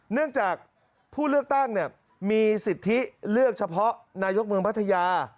เนื่องจากผู้เลือกตั้งมีสิทธิเลือกเฉพาะนายกเมืองพัทยา